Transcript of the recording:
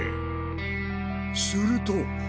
すると。